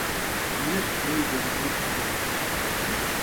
د کمونیسټ ګوند جوړېدو سره د حقیقت سفر پیلېږي.